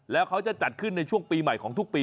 แล้วเขาจะจัดขึ้นในช่วงปีใหม่ของทุกปี